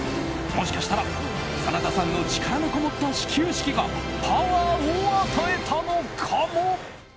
もしかしたら真田さんの力のこもった始球式がパワーを与えたのかも？